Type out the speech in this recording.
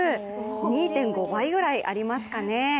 ２．５倍ぐらいありますかね。